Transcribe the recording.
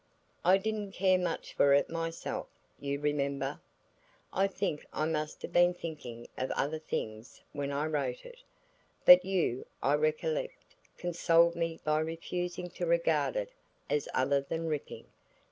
I didn't care much for it myself, you remember. I think I must have been thinking of other things when I wrote it. But you, I recollect consoled me by refusing to regard it as other than 'ripping.'